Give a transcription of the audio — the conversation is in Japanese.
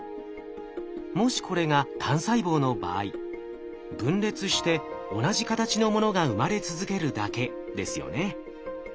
もしこれが単細胞の場合分裂して同じ形のものが生まれ続けるだけですよね。